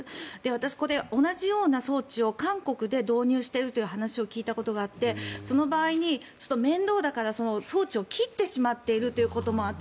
私、同じような装置を韓国で導入しているという話を聞いたことがあってその場合に面倒だから装置を切ってしまっているということもある。